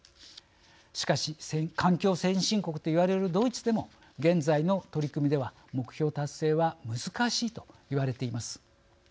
しかし、環境先進国と言われるドイツでも現在の取り組みでは目標達成は難しいと言われています。